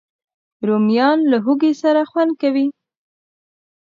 رومیان له هوږې سره خوند کوي